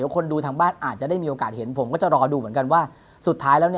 คนดูทางบ้านอาจจะได้มีโอกาสเห็นผมก็จะรอดูเหมือนกันว่าสุดท้ายแล้ว